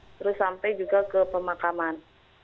terus sampai juga ke pemakaman